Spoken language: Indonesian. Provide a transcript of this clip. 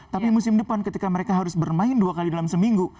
tapi musim depan ketika mereka harus bermain dua kali dalam seminggu